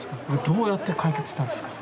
どうやって解決したんですか。